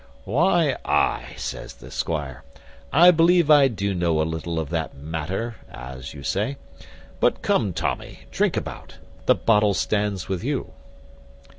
"Why, ay," says the squire, "I believe I do know a little of that matter, as you say. But, come, Tommy, drink about; the bottle stands with you."